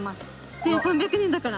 １３００年だから。